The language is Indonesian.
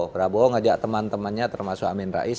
prabowo ngajak teman temannya termasuk amin rais